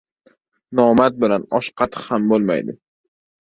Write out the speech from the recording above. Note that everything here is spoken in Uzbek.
Nomard bilan osh-qatiq ham bo‘lmaydi!..